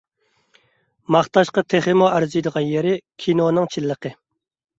ماختاشقا تېخىمۇ ئەرزىيدىغان يېرى، كىنونىڭ چىنلىقى.